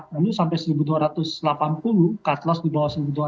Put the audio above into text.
cut loss di bawah seribu dua ratus